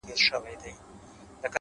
د عمل ژبه نړیواله ده؛